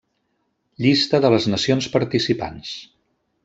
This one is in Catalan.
Llista de les nacions participants.